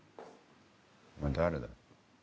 お前誰だよ